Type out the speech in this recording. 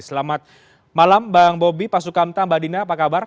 selamat malam bang bobi pak sukamta mbak dina apa kabar